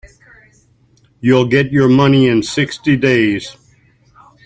You'll get your money in sixty days.